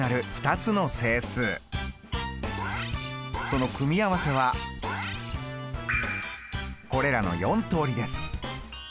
その組み合わせはこれらの４通りです。